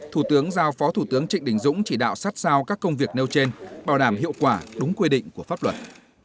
thủ tướng giao phó thủ tướng trịnh đình dũng chỉ đạo sát sao các công việc nêu trên bảo đảm hiệu quả đúng quy định của pháp luật